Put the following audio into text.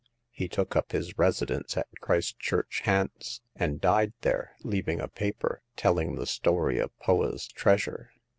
He took up his residence at Christchurch, Hants, and died there, leaving a paper telling the story of Poa's treasure.